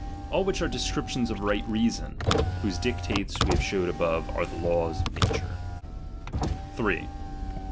All which are descriptions of right reason, whose dictates, we have showed before, are the laws of nature.